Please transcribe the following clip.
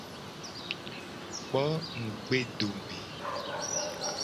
Kpo ngugbedome.